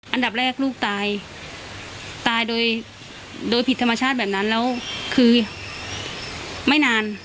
อันดับแรกลูกตายตายโดยโดยผิดธรรมชาติแบบนั้นแล้วคือไม่นาน